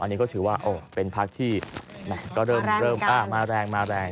อันนี้ก็ถือว่าเป็นพักที่ก็เริ่มมาแรงมาแรง